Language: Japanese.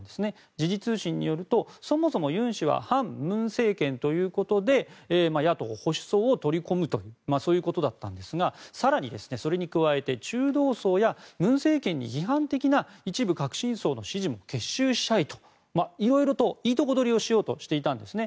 時事通信によりますとそもそもユン氏は反文政権ということで野党、保守層を取り込むということだったんですが更にそれに加えて中道層や文政権に批判的な一部革新層の支持も結集したいといろいろと、いいとこ取りをしようとしていたんですね。